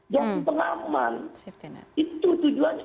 yang pengaman itu tujuannya